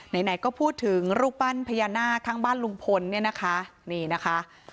ไหนก็พูดถึงรูปปั้นพยานาคทั้งบ้านลุงพลเนี่ยนะคะ